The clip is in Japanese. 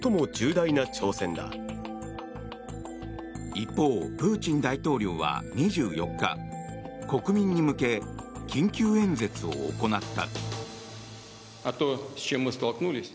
一方、プーチン大統領は２４日国民に向け、緊急演説を行った。